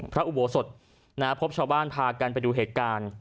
อุโบสถพบชาวบ้านพากันไปดูเหตุการณ์